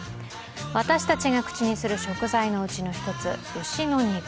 私たちが口にする食材のうちの１つ牛の肉。